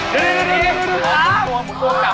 ตัวกลับตัวกลับ